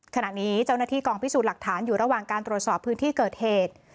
ขณะนี้เจ้าหน้าที่กองพิสูจน์หลักฐานอยู่ระหว่างการตรวจสอบพื้นที่เกิดเหตุ